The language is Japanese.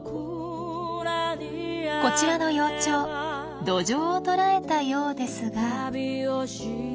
こちらの幼鳥ドジョウを捕らえたようですが。